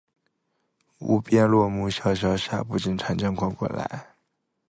无边落木萧萧下，不尽长江滚滚来